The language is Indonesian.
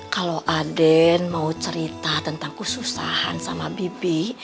kalau aden mau cerita tentang kesusahan sama bibi